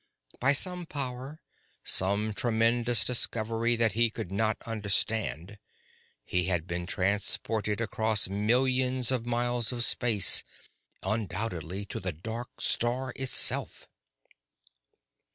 By some power, some tremendous discovery that he could not understand, he had been transported across millions of miles of space undoubtedly to the dark star itself!